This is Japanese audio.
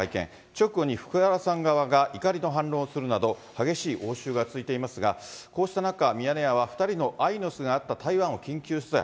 直後に福原さん側が怒りの反論をするなど、激しい応酬が続いていますが、こうした中、ミヤネ屋は２人の愛の巣があった台湾を緊急取材。